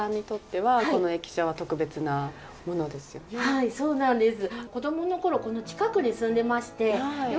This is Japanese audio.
はいそうなんです。